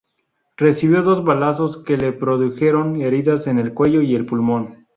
Recibió dos balazos que le produjeron heridas en el cuello y el pulmón.